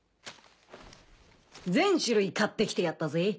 全種類買ってきてやったぜ。